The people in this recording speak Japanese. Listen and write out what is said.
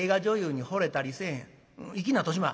「粋な年増。